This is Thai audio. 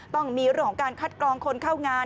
ต้องมีเรื่องของการคัดกรองคนเข้างาน